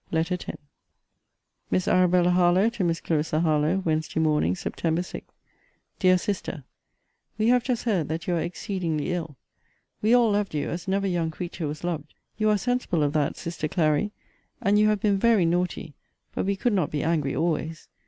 LETTER X MISS ARAB. HARLOWE, TO MISS CL. HARLOWE WEDN. MORN. SEPT. 6. DEAR SISTER, We have just heard that you are exceedingly ill. We all loved you as never young creature was loved: you are sensible of that, sister Clary. And you have been very naughty but we could not be angry always.